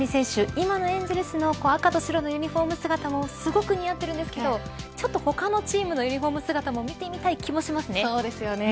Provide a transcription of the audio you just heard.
今のエンゼルスの赤と白のユニホーム姿もすごく似合ってるんですけどちょっと他のチームの姿もそうですよね。